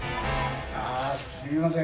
すいません